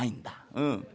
うん。